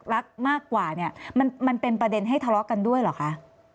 รักมากกว่าเนี่ยมันเป็นประเด็นให้ทะเลาะกันด้วยเหรอคะ